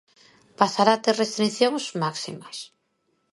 Pasará a ter restricións máximas.